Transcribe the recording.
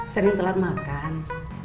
sering telat makan